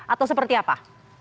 atau seperti apa